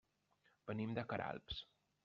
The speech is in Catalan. Venim de Queralbs.